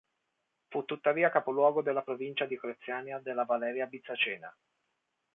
Fu tuttavia capoluogo della provincia dioclezianea della "Valeria Byzacena".